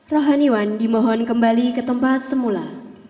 rohaniwan dimohon kembali ke tempat semula